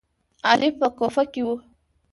علي په کوفه کې و.